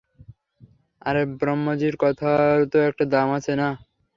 আরে ব্রম্মাজির কথারও তো একটা দাম আছে না?